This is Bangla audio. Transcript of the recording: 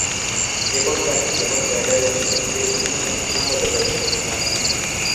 যেকোনো ব্যক্তি যেকোনো জায়গায় বসে পৃথিবীর যেকোনো ব্যক্তির সঙ্গে যোগাযোগ করতে পারছেন।